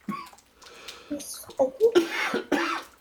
Yessefqed-it?